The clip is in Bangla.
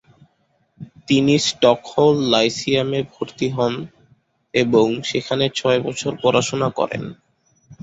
তিনি স্টকহোল লাইসিয়ামে ভর্তি হন এবং সেখানে ছয় বছর পড়াশোনা করেন।